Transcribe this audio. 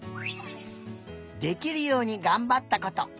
できるようにがんばったこと。